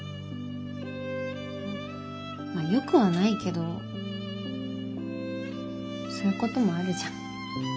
まあよくはないけどそういうこともあるじゃん。